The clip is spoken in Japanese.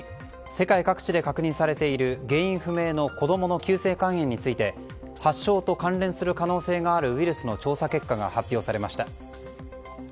世界各地で確認されている原因不明の子供の急性肝炎について発症と関連する可能性があるウイルスの調査結果が発表されました。